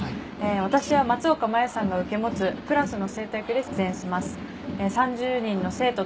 私は松岡茉優さんの受け持つクラスの生徒役で出演します。